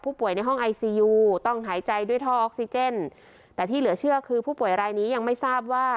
ในห้องไอซียูต้องหายใจด้วยท่อออกซิเจนแต่ที่เหลือเชื่อคือผู้ป่วยรายนี้ยังไม่ทราบว่า